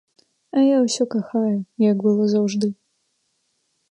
А я ўсё кахаю, як было заўжды.